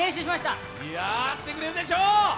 やってくれるでしょう！